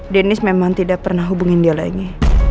dennis memang tidak pernah hubungin dia lagi